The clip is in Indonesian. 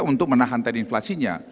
untuk menahan tadi inflasinya